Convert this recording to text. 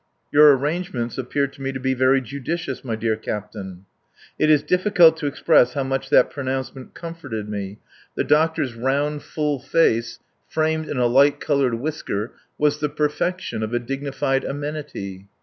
"Your arrangements appear to me to be very judicious, my dear Captain." It is difficult to express how much that pronouncement comforted me. The doctor's round, full face framed in a light coloured whisker was the perfection of a dignified amenity.